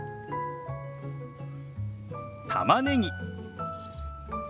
たまねぎ。